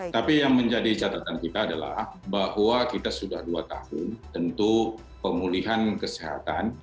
tapi yang menjadi catatan kita adalah bahwa kita sudah dua tahun tentu pemulihan kesehatan